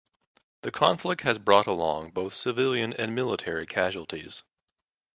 The conflict has brought along both civilian and military casualties.